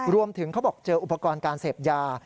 เขาบอกเจออุปกรณ์การเสพยา